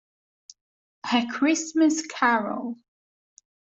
A Christmas Carol.